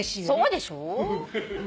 そうでしょ。